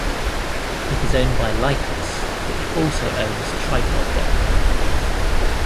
It is owned by Lycos, which also owns Tripod dot com.